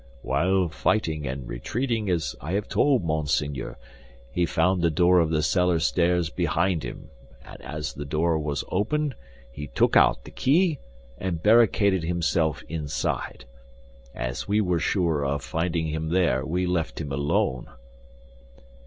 "While fighting and retreating, as I have told Monseigneur, he found the door of the cellar stairs behind him, and as the door was open, he took out the key, and barricaded himself inside. As we were sure of finding him there, we left him alone."